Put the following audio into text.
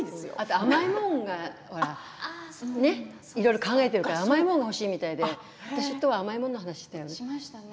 甘いものが、ほらいろいろ考えてるから甘いものが欲しいみたいで私とは甘いものの話をしたよね。